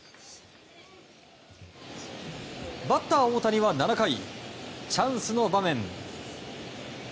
バッター大谷は７回チャンスの場面。